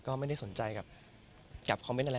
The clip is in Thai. ก็มีไปคุยกับคนที่เป็นคนแต่งเพลงแนวนี้